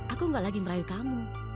aku gak lagi merayu kamu